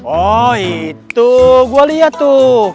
oh itu gua liat tuh